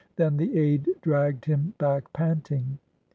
" Then the aid dragged him back panting.